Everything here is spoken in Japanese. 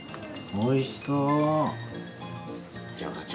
おいしそう。